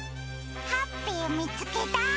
ハッピーみつけた！